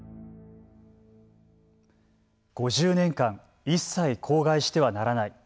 ５０年間一切口外してはならない。